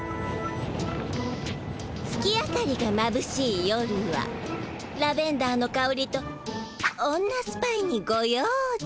月明かりがまぶしい夜はラベンダーのかおりと女スパイにご用心。